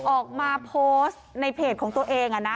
ออกมาโพสต์ในเพจของตัวเอง